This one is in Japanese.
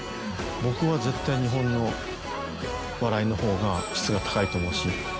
僕は絶対日本の笑いのほうが質が高いと思うし。